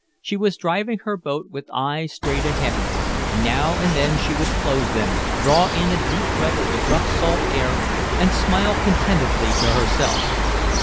She was driving her boat with eyes straight ahead. Now and then she would close them, draw in a deep breath of the rough salt air, and smile contentedly to herself.